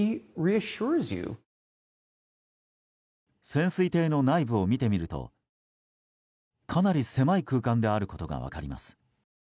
潜水艇の内部を見てみるとかなり狭い空間であることが分かります。